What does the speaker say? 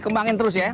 kembangin terus ya